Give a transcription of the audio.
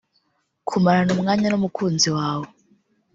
Kumarana umwanya n’umukunzi wawe